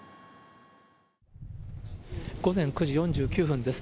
午前９時４９分です。